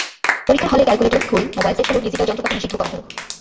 পরীক্ষার হলে ক্যালকুলেটর, ঘড়ি, মোবাইল সেটসহ ডিজিটাল যন্ত্রপাতি নিষিদ্ধ করা হলো।